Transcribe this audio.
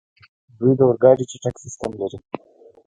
دوی د اورګاډي چټک سیسټم لري.